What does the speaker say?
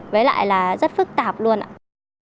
với lại là rất phức tạp luôn ạ